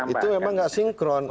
itu memang tidak sinkron